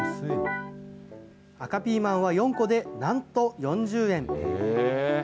赤ピーマンは４個でなんと４０円。